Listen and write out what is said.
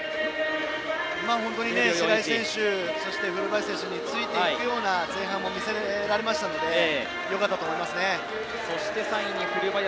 本当に白井選手古林選手についていくような前半も見せられましたので３位に古林。